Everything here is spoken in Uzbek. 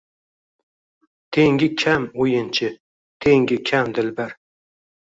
Tengi kam o’yinchi, tengi kam dilbar